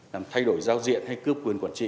làm thay đổi giao diện hay cướp quyền quản trị